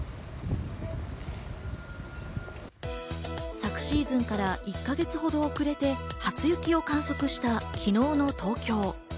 昨シーズンから１か月ほど遅れて初雪を観測した昨日の東京。